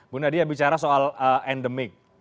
bu nadia bicara soal endemik